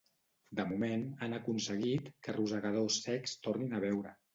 De moment, han aconseguit que rosegadors cecs tornin a veure.